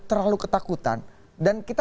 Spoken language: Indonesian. terlalu ketakutan dan kita